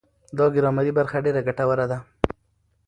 دا ګرامري برخه ډېره ګټوره ده.